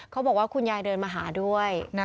เขาบอกว่าคุณยายเดินมาหาด้วย